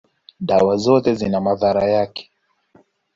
dawa zote zina madhara yake.